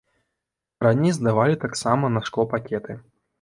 Раней здавалі таксама на шклопакеты.